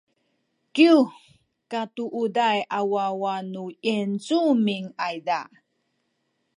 kyu katuuday a wawa nu yincumin ayza